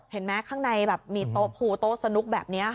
เห็นไหมข้างในแบบมีโต๊ะภูโต๊ะสนุกแบบนี้ค่ะ